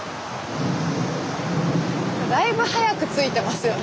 だいぶ早く着いてますよね。